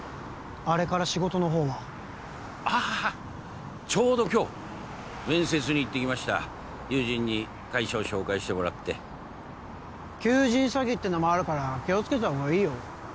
あれから仕事の方はああちょうど今日面接に行ってきました友人に会社を紹介してもらって求人詐欺ってのもあるから気をつけた方がいいよ